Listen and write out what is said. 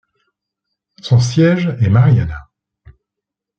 Son siège est Marianna.